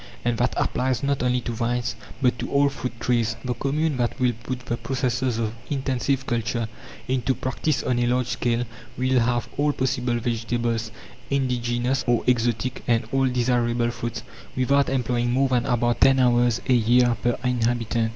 And that applies not only to vines, but to all fruit trees. The Commune that will put the processes of intensive culture into practice on a large scale will have all possible vegetables, indigenous or exotic, and all desirable fruits, without employing more than about ten hours a year per inhabitant.